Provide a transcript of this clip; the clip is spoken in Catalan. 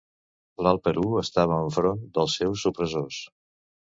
L'Alt Perú estava enfront dels seus opressors.